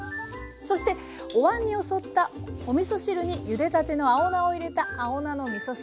そしてお碗によそったおみそ汁にゆでたての青菜を入れた青菜のみそ汁。